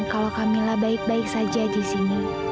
kalau kamilah baik baik saja di sini